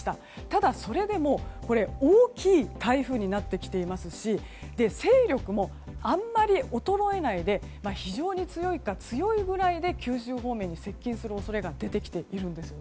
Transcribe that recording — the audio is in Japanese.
ただ、それでも大きい台風になってきていますし勢力もあんまり衰えないで非常に強いか強いぐらいで九州方面に接近する恐れが出てきているんです。